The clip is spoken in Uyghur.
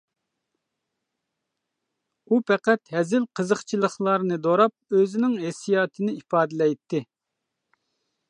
ئۇ پەقەت ھەزىل قىزىقچىلىقلارنى دوراپ، ئۆزىنىڭ ھېسسىياتىنى ئىپادىلەيتتى.